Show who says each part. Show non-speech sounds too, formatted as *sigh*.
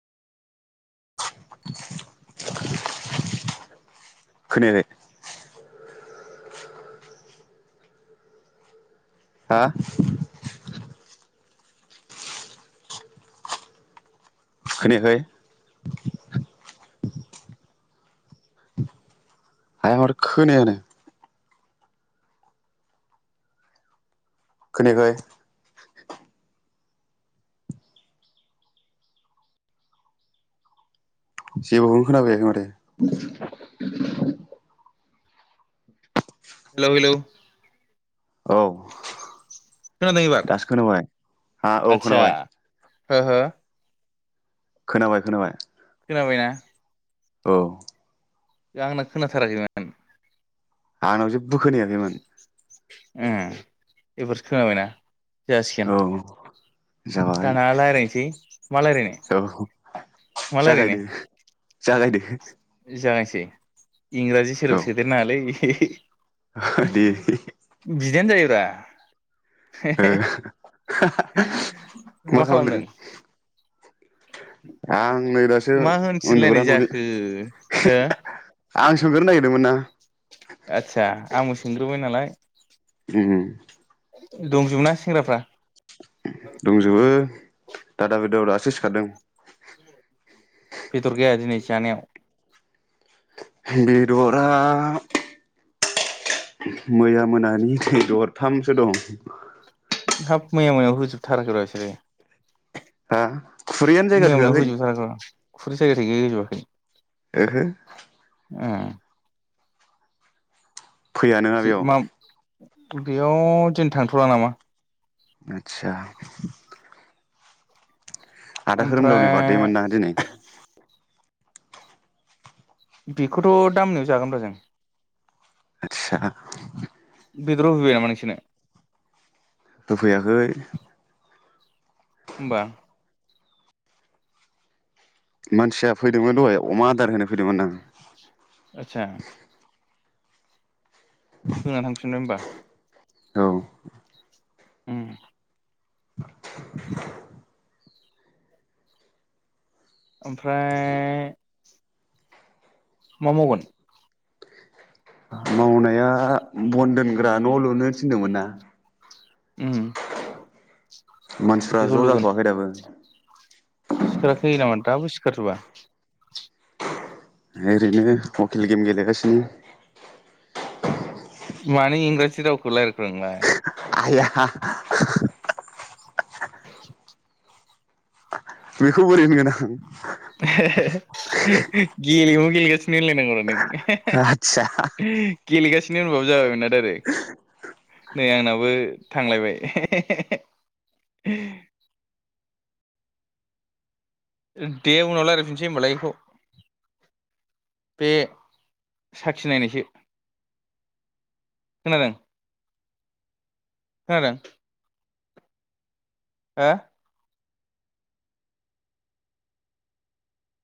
Speaker 1: *unintelligible* खोनायाखै हा खोनायाखै आया माथो खोनायानो खोनायाखै जेबोखौनो खोना फैयाखै माथो
Speaker 2: हेलौ हेलौ
Speaker 1: औ
Speaker 2: खोनादों एबार
Speaker 1: दासो खोनाबाय हा औ
Speaker 2: आतसा
Speaker 1: खोनाबाय
Speaker 2: हो हो
Speaker 1: खोनाबाय खोनाबाय
Speaker 2: खोनाबायना
Speaker 1: औ
Speaker 2: दा आंना खोनाथाराखैमोन
Speaker 1: आंनाव जेबो खोनायाखैमोन
Speaker 2: ओ एबारसो खोनाबायना? जासिगोन
Speaker 1: औ जाबाय
Speaker 2: दाना लायरानसै मा लायरायनो
Speaker 1: औ
Speaker 2: मा लायरायनो?
Speaker 1: जागायदो *inaudible*
Speaker 2: जागायनोसै इंराजि सोदोब सोदेर नाङालै *unintelligible*
Speaker 1: आ दे
Speaker 2: दा
Speaker 1: हो *unintelligible* मा खालामदों आं नै दासो
Speaker 2: मा
Speaker 1: उन्दुग्रा
Speaker 2: होनसिनलायनाय
Speaker 1: न'नि
Speaker 2: जाखो हो
Speaker 1: आं सोंग्रोनो नागिरदोंमोन ना
Speaker 2: आस्सा आबो सोंग्रोबाय नालाय
Speaker 1: उम
Speaker 2: दंजोबो ना सेंग्राफ्रा?
Speaker 1: दंजोबो दादा बिदा *unintelligible* सो सिखारदो
Speaker 2: बेदर गैया दिनि जानायाव
Speaker 1: बेदरा मैया मोनानि नै दरथामसो दं
Speaker 2: हाफ मैया मोनायाव हुजोबथाराखै रा बिसोरो
Speaker 1: हा खुरैयानो जायगा
Speaker 2: मैया मोनायाव
Speaker 1: थोआखै
Speaker 2: होजोबथाराखैब्रा खुरै जायगा थोयिखाय होजोबाखै
Speaker 1: ओहो
Speaker 2: ओ
Speaker 1: फैया नोङा बेयाव
Speaker 2: ओ मा बेयाव दिनि थांथ'ला नामा?
Speaker 1: आतसा आदा खोरोमदावनि
Speaker 2: ओमफ्राय
Speaker 1: बार्थडेमोन ना दिनै
Speaker 2: बिख'थ दा मोनायाव जागोनब्रा जों
Speaker 1: आतसा
Speaker 2: बेदराव होफैबाय नामा नोंसोनो?
Speaker 1: फैयाखै।
Speaker 2: होमबा
Speaker 1: मानसिया फैदोंमोन दहाय अमा आदार होनो फैदोंमोन दां
Speaker 2: आतसा होना थांफिननो होमबा
Speaker 1: औ
Speaker 2: उम
Speaker 1: *inaudible*
Speaker 2: ओमफ्राय मा मावगोन?
Speaker 1: मावनाया बन दोनग्रा न लुनो थिनदोंमोन ना
Speaker 2: उम
Speaker 1: मानसिफ्रा
Speaker 2: बेखौ
Speaker 1: ज
Speaker 2: लुगोन
Speaker 1: जाथवाखै दाबो
Speaker 2: सिखाराखै नामा दाबो सिखारजोबा?
Speaker 1: ओरैनो हकेल गेम गेलेगासिनो
Speaker 2: मानि इंराजि रावखौलाय रायलायखोब्रा नोंलाय?
Speaker 1: आइया बेखौ बोरै होनगोन आं
Speaker 2: गेलेमु गेलेगासिनो होनलायनांगौ रा
Speaker 1: आं आदसा
Speaker 2: नों *inaudible* गेलेगासिनो होनबाबो जाबायमोनना दाइरेक आरो नै आंनाबो थांलायबाय *unintelligible* दे उनाव रायज्लायफिनसै होनोमबालाय बेखौ बे साखि नायनायसो खोनादों खोनादों हो